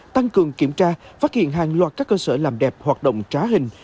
tăng cường kiểm tra phát hiện hàng loạt các cơ sở làm đẹp hoạt động trá hình